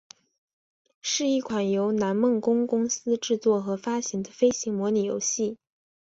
是一款由南梦宫公司制作和发行的飞行模拟游戏。